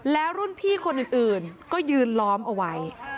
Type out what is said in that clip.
แล้วรุ่นพี่คนอื่นก็ยืนล้อมเอาไว้